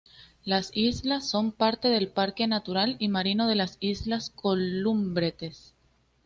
Las islas son parte del parque natural y marino de las islas Columbretes.